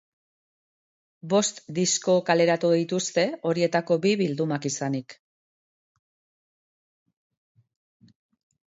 Bost disko kaleratu dituzte, horietako bi bildumak izanik.